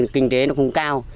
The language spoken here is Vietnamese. kinh tế nó không cao